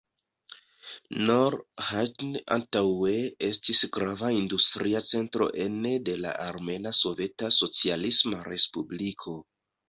Nor Haĝn antaŭe estis grava industria centro ene de la Armena Soveta Socialisma Respubliko.